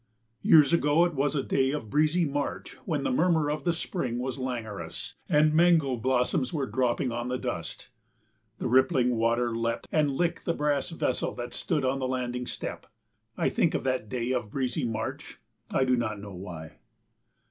Years ago it was a day of breezy March when the murmur of the spring was languorous, and mango blossoms were dropping on the dust. The rippling water leapt and licked the brass vessel that stood on the landing step. I think of that day of breezy March, I do not know why.